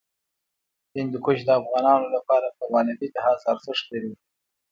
هندوکش د افغانانو لپاره په معنوي لحاظ ارزښت لري.